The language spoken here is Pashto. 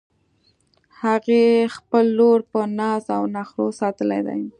هغې خپله لور په ناز او نخروساتلی ده